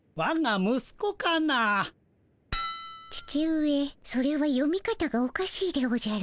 父上それは読み方がおかしいでおじゃる。